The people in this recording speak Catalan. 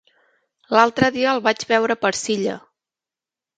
L'altre dia el vaig veure per Silla.